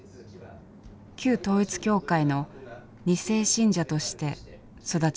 旧統一教会の２世信者として育ちました。